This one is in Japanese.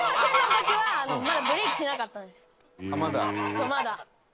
そうまだ。